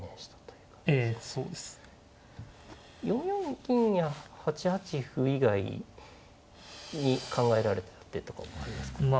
４四銀や８八歩以外に考えられてた手とかもありますか。